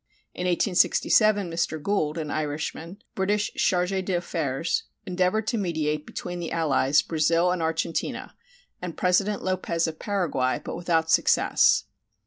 In 1867 Mr. Gould, an Irishman, British chargé d'affaires, endeavored to mediate between the allies, Brazil and Argentina, and President Lopez of Paraguay, but without success.